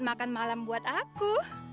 makan malam buat aku